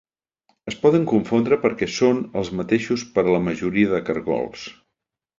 Es poden confondre perquè són els mateixos per a la majoria de cargols.